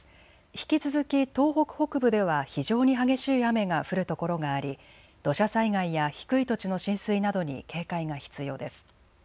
引き続き東北北部では非常に激しい雨が降る所があり土砂災害や低い土地の浸水などに警戒が必要です。